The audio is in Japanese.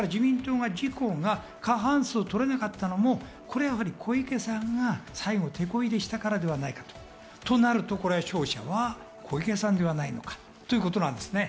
自公が過半数を取れなかったのも小池さんが最後テコ入れしたからではないかとなると、勝者は小池さんではないのかということです。